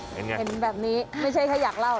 เห็นแบบนี้ไม่ใช่แค่อยากเล่า